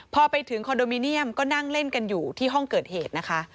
พอไปถึงคอนโดมิเนียมก็นั่งเล่นกันอยู่ที่ห้องเกิดเหตุนะคะ